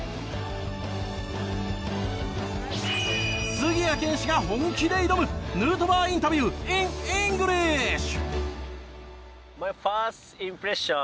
杉谷拳士が本気で挑むヌートバーインタビューインイングリッシュ！